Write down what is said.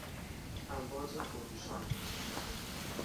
امواج خروشان